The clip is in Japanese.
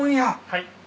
はい。